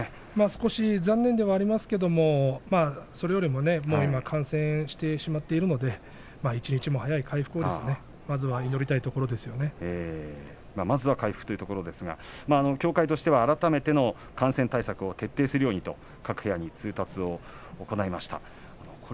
少し残念ではありますけれども一日も早い回復をまずは回復をというところですが協会としては改めて感染対策を徹底するようにと、各部屋に通達を行いました。